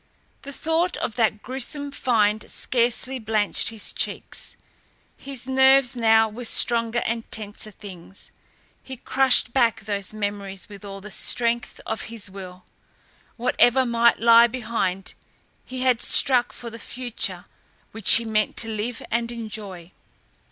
The thought of that gruesome find scarcely blanched his cheeks. His nerves now were stronger and tenser things. He crushed back those memories with all the strength of his will. Whatever might lie behind, he had struck for the future which he meant to live and enjoy.